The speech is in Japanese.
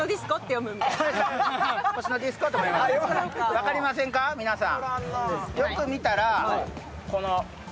分かりませんか、皆さん。